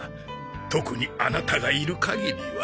特にアナタがいる限りは。